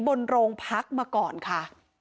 บนโรงพักมาก่อนค่ะ